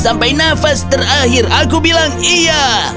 sampai nafas terakhir aku bilang iya